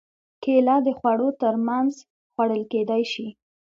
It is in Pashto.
کېله د خوړو تر منځ خوړل کېدای شي.